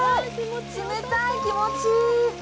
冷たい、気持ちいい。